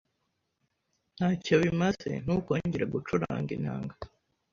Ntacyo bimaze. Ntukongere gucuranga inanga.